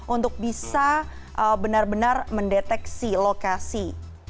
untuk bisa benar benar mendeteksi lokasi